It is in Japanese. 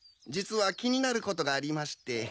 実は気になることがありまして。